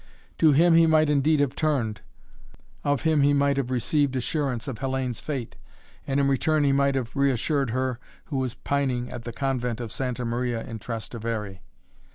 To him he might indeed have turned; of him he might have received assurance of Hellayne's fate; and in return he might have reassured her who was pining at the Convent of Santa Maria in Trastevere.